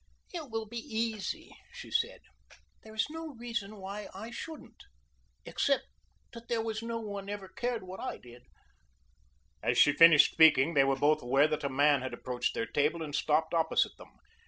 "It will be easy," she said. "There is no reason why I shouldn't except that there was no one ever cared what I did." As she finished speaking they were both aware that a man had approached their table and stopped opposite them.